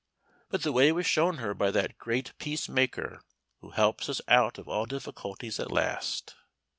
But the way was shown her by that great Peace Maker who helps us out of all difficulties at last.